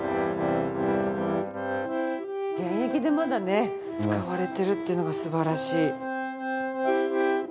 現役でまだね使われてるっていうのが素晴らしい。